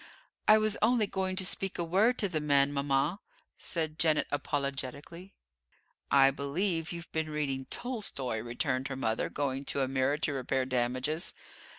"I was only going to speak a word to the man, mama," said Janet apologetically. "I believe you've been reading Tolstoi," returned her mother, going to a mirror to repair damages.